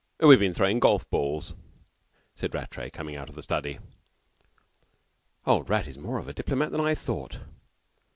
We've been throwing golf balls," said Rattray, coming out of the study. ("Old Rat is more of a diplomat than I thought.